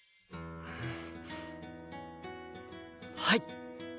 はい！